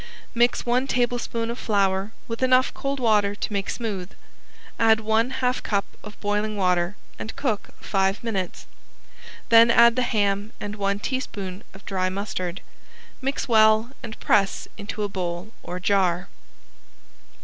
Mix one tablespoon of flour with enough cold water to make smooth, add one half cup of boiling water, and cook five minutes; then add the ham and one teaspoon of dry mustard. Mix well and press into a bowl or jar.